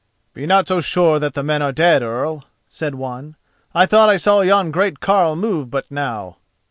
"Be not so sure that the men are dead, Earl," said one, "I thought I saw yon great carle move but now."